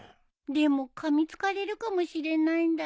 でもかみつかれるかもしれないんだよ？